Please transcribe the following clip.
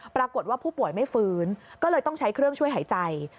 ปรากฏว่าผู้ป่วยไม่ฟื้นก็เลยต้องใช้เครื่องช่วยหายใจ